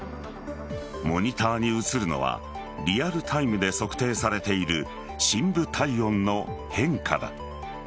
モニターに映るのはリアルタイムで測定されている深部体温の変化だ。